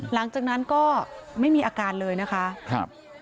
หลังจากนั้นก็ไม่มีอาการเลยนะคะครับ